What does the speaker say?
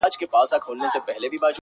ویل چي آصل یم تر نورو موږکانو-